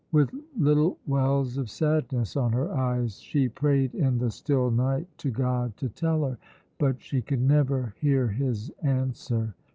With little wells of sadness on her eyes, she prayed in the still night to God to tell her; but she could never hear His answer.